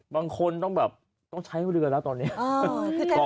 บางคนต้องแบบต้องใช้เรือแล้วตอนนี้อ๋อคือใช้เรือแทนลงไปแล้ว